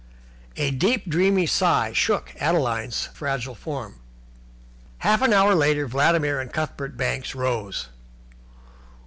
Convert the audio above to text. A deep, dreamy sigh shook Adeline's fragile form. Half an hour later Vladimir and Cuthbert Banks rose.